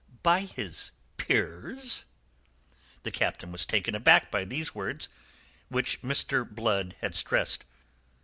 "By his peers?" The Captain was taken aback by these three words, which Mr. Blood had stressed.